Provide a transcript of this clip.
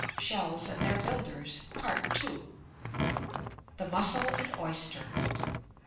SHELLS AND THEIR BUILDERS (2) THE MUSSEL AND OYSTER.